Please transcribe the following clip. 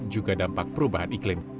juga dampak perubahan iklim